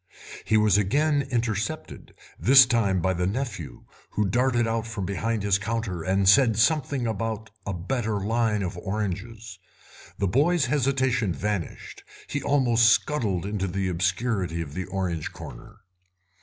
He was again intercepted, this time by the nephew, who darted out from behind his counter and said something about a better line of oranges. The boy's hesitation vanished; he almost scuttled into the obscurity of the orange corner.